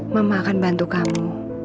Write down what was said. mama akan bantu kamu